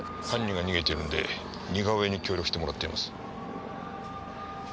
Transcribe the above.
犯人が逃げてるんで似顔絵に協力してもらっています。